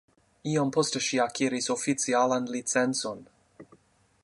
Iom poste ŝi akiris oficialan licencon.